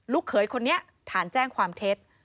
เขยคนนี้ฐานแจ้งความเท็จ